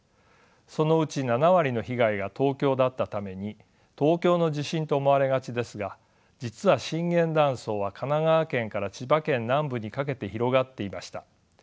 そのうち７割の被害が東京だったために東京の地震と思われがちですが実は震源断層は神奈川県から千葉県南部にかけて広がっていました。